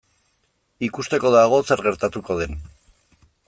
Ikusteko dago zer gertatuko den.